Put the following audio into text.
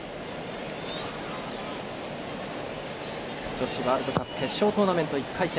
女子ワールドカップ決勝トーナメント１回戦。